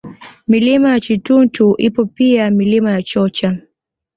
Milima ya Chituntu ipo pia Milima ya Chocha